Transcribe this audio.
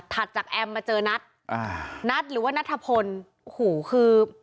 ถัดจากแอมมาเจอนัฐอ่านัฐหรือว่านัฐพลโอ้โหคือ